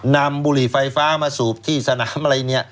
บุหรี่ไฟฟ้ามาสูบที่สนามอะไรเนี่ย